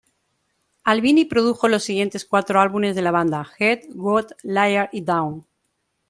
Albini produjo los siguientes cuatro álbumes de la banda "Head", "Goat", "Liar", y "Down".